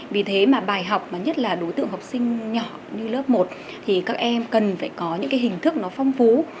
vì thế mà bài học mà nhất là đối tượng học sinh nhỏ như lớp một thì các em cần phải có những cái hình thức nó phong phú